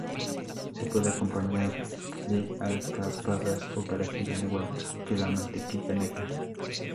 Se puede acompañar de alcaparras o perejil, al igual que la mantequilla negra.